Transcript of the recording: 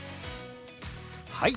はい！